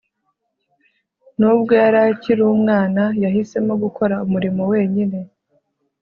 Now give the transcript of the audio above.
nubwo yari akiri umwana, yahisemo gukora umurimo wenyine